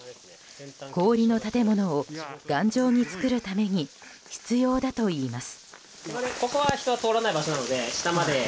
氷の建物を頑丈に作るために必要だといいます。